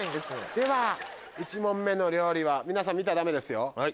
では１問目の料理皆さん見たらダメですよ。